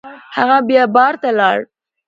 هغه بیا بار ته لاړ.